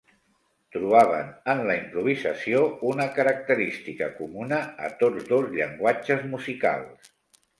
Trobaven en la improvisació una característica comuna a tots dos llenguatges musicals.